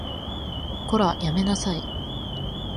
こら、やめなさい